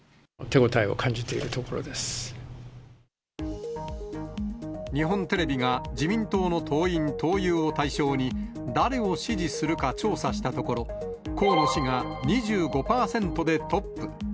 手応えを感じているところで日本テレビが自民党の党員・党友を対象に、誰を支持するか調査したところ、河野氏が２５％でトップ。